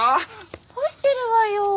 干してるわよ。